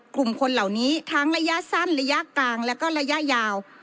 กลุ่มคนเหล่านี้ทั้งระยะสั้นระยะกลางแล้วก็ระยะยาว